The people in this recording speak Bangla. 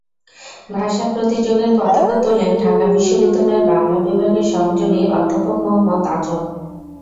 ভাষা প্রতিযোগের পতাকা তোলেন ঢাকা বিশ্ববিদ্যালয়ের বাংলা বিভাগের সহযোগী অধ্যাপক মোহাম্মদ আজম।